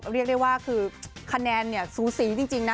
เรียกได้ว่าคือคะแนนเนี่ยสูสีจริงนะ